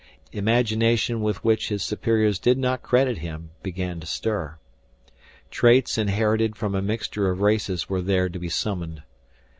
Imagination with which his superiors did not credit him began to stir. Traits inherited from a mixture of races were there to be summoned.